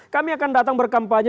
kami akan datang berkampanye